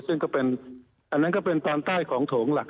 ซึ่งก็เป็นอันนั้นก็เป็นตอนใต้ของโถงหลัก